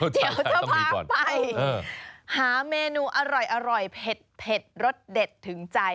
เดี๋ยวจะพาไปหาเมนูอร่อยเผ็ดรสเด็ดถึงใจ